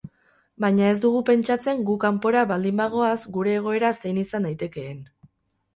Baina ez dugu pentsatzen gu kanpora baldin bagoaz gure egoera zein izan daitekeen.